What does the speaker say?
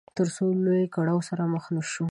تر څو له لوی کړاو سره مخ نه شو.